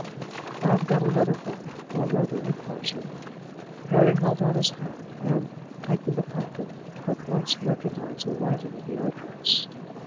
"I have got a letter for you, or rather a parcel." Harry held out his hand, and taking the packet, at once recognized the writing of the address.